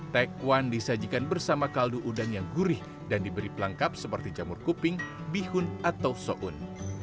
taekwond disajikan bersama kaldu udang yang gurih dan diberi pelengkap seperti jamur kuping bihun atau so'un